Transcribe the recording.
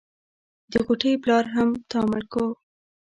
د غوټۍ پلار هم تا مړ کو.